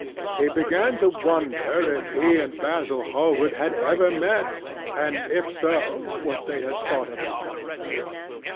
He began to wonder if he and Basil Hallward had ever met, and, if so, what they had thought of each other.